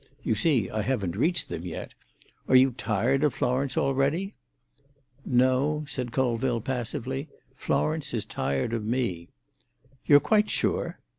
(You see I haven't reached them yet!) Are you tired of Florence already?" "No," said Colville passively; "Florence is tired of me." "You're quite sure?"